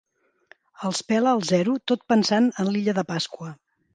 Els pela al zero tot pensant en l'illa de Pasqua.